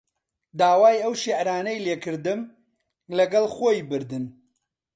داوای ئەو شیعرانەی لێ کردم، لەگەڵ خۆی بردن